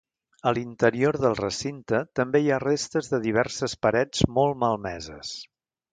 A l'interior del recinte també hi ha restes de diverses parets molt malmeses.